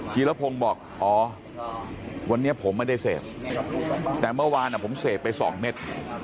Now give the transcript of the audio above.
กี้ระพงบอกอ๋อวันนี้ผมไม่ได้เซฟแต่เมื่อวานอ่ะผมเซฟไปสองเม็ด